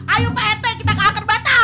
ayo pak rete kita ke akar bata